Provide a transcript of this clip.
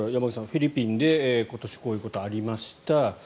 フィリピンで今年こういうことがありました。